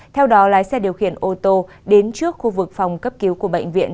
theo đó lái xe điều khiển ô tô đến trước khu vực phòng cấp cứu của bệnh viện